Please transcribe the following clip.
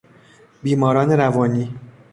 بیماران روانی